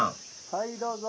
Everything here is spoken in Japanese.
はいどうぞ。